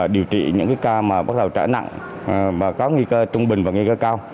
điều trị những cái ca mà bắt đầu trở nặng và có nguy cơ trung bình và nguy cơ cao